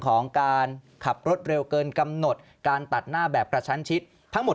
ของการขับรถเร็วเกินกำหนดการตัดหน้าแบบกระชั้นชิดทั้งหมด